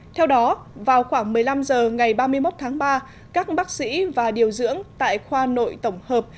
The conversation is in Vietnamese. theo đó vào khoảng một mươi năm h ngày ba mươi một tháng ba các bác sĩ và điều dưỡng tại khoa nội tổng hợp